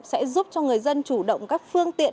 sẽ giúp cho người dân chủ động các phương tiện